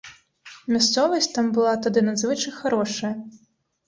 Мясцовасць там была тады надзвычай харошая.